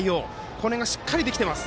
これがしっかりできてます。